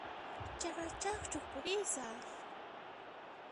Chakra ch'aqchuq purisaq.